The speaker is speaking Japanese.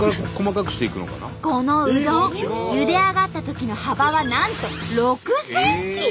このうどんゆで上がったときの幅はなんと６ｃｍ！